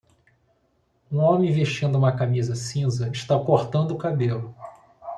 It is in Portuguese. Um homem vestindo uma camisa cinza está cortando o cabelo.